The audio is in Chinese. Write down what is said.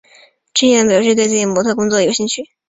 芝妍表示自己对模特儿工作有兴趣。